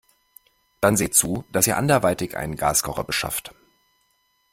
Dann seht zu, dass ihr anderweitig einen Gaskocher beschafft.